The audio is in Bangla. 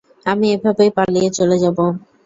আমি এভাবেই পালিয়ে চলে যাবো।